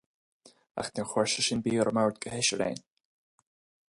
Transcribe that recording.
Ach níor chuir sé sin bia ar an mbord do sheisear againn.